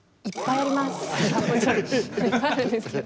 いっぱいあるんですけど。